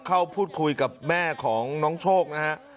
เข้าพูดคุยกับแม่ของน้องโชคนะฮะ